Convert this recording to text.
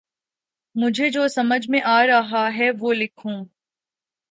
مجھے جو سمجھ میں آرہا ہے وہ لکھوں